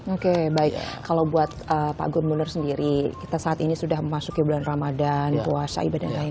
oke baik kalau buat pak gubernur sendiri kita saat ini sudah memasuki bulan ramadan puasa ibadahnya